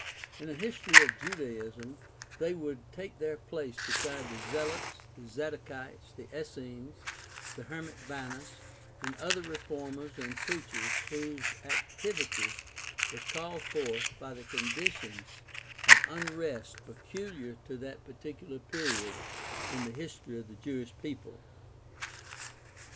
In a history of Judaism they would take their place beside the Zealots, the Zadokites, the Essenes, the hermit Banus, and other reformers and preachers whose activity was called forth by the conditions of unrest peculiar to that particular period in the history of the Jewish people.